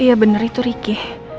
iya bener itu ricky